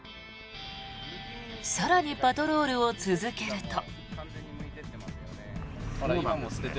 更にパトロールを続けると。